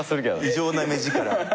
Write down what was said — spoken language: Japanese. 異常な目力。